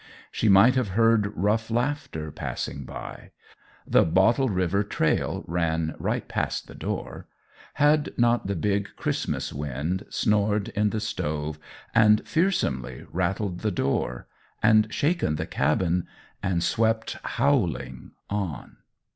She might have heard rough laughter passing by the Bottle River trail ran right past the door had not the big Christmas wind snored in the stove, and fearsomely rattled the door, and shaken the cabin, and swept howling on.